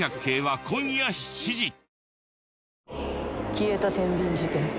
消えた天秤事件